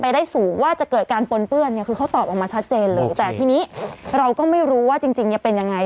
แต่ทีนี้เราก็ไม่รู้ว่าจริงเป็นอย่างไร